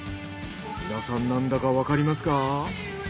皆さん何だかわかりますか？